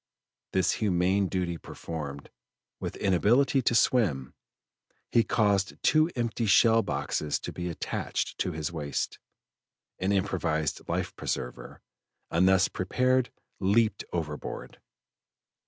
This humane duty performed, with inability to swim, he caused two empty shell boxes to be attached to his waist, an improvised life preserver, and thus prepared leaped overboard.